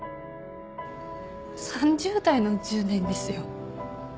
３０代の１０年ですよ。